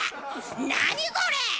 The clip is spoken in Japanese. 何これ！